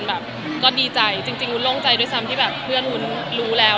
แบบก็ดีใจจริงวุ้นโล่งใจด้วยซ้ำที่แบบเพื่อนวุ้นรู้แล้ว